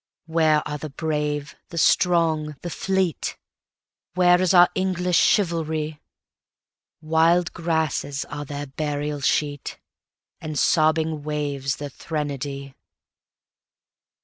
Where are the brave, the strong, the fleet? Where is our English chivalry? Wild grasses are their burial sheet, And sobbing waves their threnody.